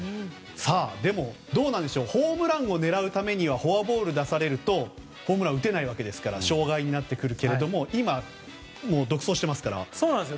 でも、どうなんでしょうホームランを狙うためにフォアボールを出されるとホームランが打てないわけですから障害になってくるけれども今、独走してますから。